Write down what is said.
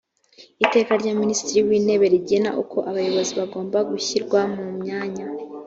iteka rya minisitiri w’intebe rigena uko abayobozi bagomba gushyirwa mu myanya